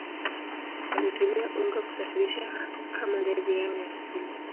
Walitumia ungo kusafiria kama ndege yao ya asili